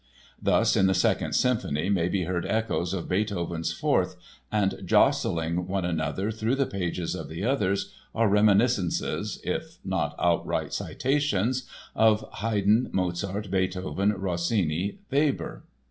Thus, in the Second Symphony may be heard echoes of Beethoven's Fourth and jostling one another through the pages of the others are reminiscences (if not outright citations) of Haydn, Mozart, Beethoven, Rossini, Weber.